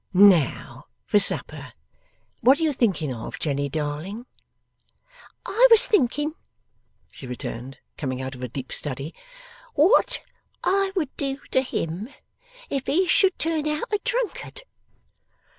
'Now for supper! What are you thinking of, Jenny darling?' 'I was thinking,' she returned, coming out of a deep study, 'what I would do to Him, if he should turn out a drunkard.